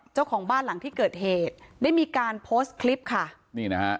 เจ้าของบ้านหลังที่เกิดเหตุได้มีการโพสต์คลิปค่ะนี่นะฮะ